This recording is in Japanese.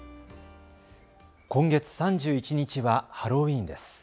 今月３１日はハロウィーンです。